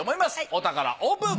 お宝オープン！